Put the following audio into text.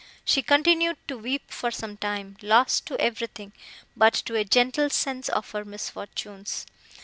She continued to weep, for some time, lost to everything, but to a gentle sense of her misfortunes.